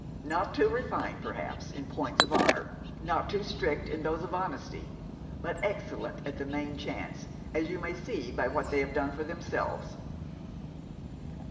Not too refined, perhaps, in points of honour, nor too strict in those of honesty; but excellent at the main chance, as you may see by what they have done for themselves.'